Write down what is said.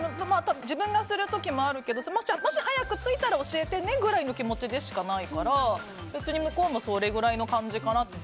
自分がする時もあるけどもし早く着いたら教えてねぐらいの気持ちでしかないから別に向こうもそれくらいの感じかなって。